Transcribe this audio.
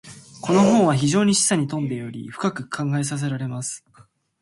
•この本は非常に示唆に富んでおり、深く考えさせられます。